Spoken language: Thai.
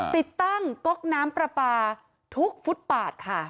ติดตั้งก๊อกน้ำปลาปลาทุกฟุตปาดค่ะ